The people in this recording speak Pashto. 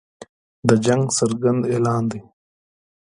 د جنګ څرګند اعلان دی.